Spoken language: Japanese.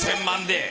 １，０００万で。